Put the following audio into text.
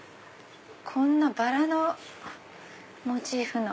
こんなバラのモチーフの。